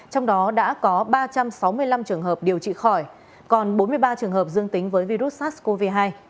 trong đó đã có ba trăm sáu mươi năm trường hợp điều trị khỏi còn bốn mươi ba trường hợp dương tính với virus sars cov hai